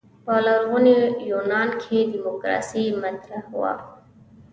په لرغوني یونان کې دیموکراسي مطرح وه.